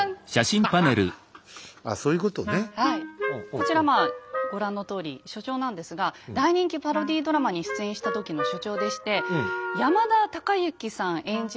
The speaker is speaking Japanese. こちらまあご覧のとおり所長なんですが大人気パロディードラマに出演した時の所長でして山田孝之さん演じます